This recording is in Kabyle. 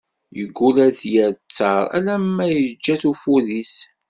Yeggul ar d-yerr ttaṛ, ala ma yeǧǧa-t ufud-is.